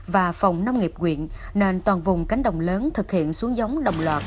và phòng nông nghiệp quyện nên toàn vùng cánh đồng lớn thực hiện xuống giống đồng loạt